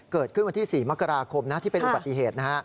เกิดขึ้นวันที่๔มที่เป็นอุบัติเหตุ